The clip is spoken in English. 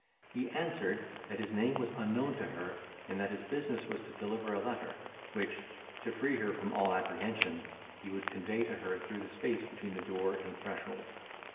He answered, that his name was unknown to her, and that his business was to deliver a letter, which (to free her from all apprehension) he would convey to her through the space between the door and threshold.